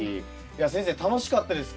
いや先生楽しかったです